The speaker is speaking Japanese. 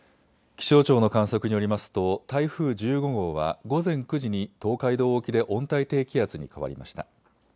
気象庁の観測によりますと台風１５号は午前９時に東海道沖で温帯低気圧に変わりました。